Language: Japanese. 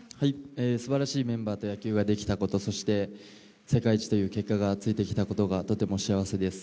すばらしいメンバーと野球ができたことそして世界一という結果がついてきたことがとても幸せです。